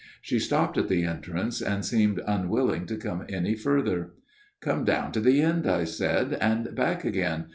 She stopped at the entrance, and seemed unwilling to come any further. ' Come down to the end/ I said, ' and back again.